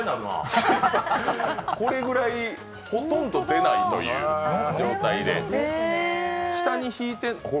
これくらいほとんど出ないという状態で。